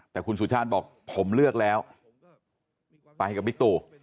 แต่คุณสุชาติบอกผมเลือกแล้วไปกับบิ๊กตู